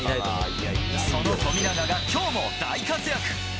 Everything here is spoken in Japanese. その富永がきょうも大活躍。